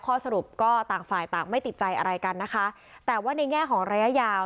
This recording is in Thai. ข้อสรุปก็ต่างฝ่ายต่างไม่ติดใจอะไรกันนะคะแต่ว่าในแง่ของระยะยาว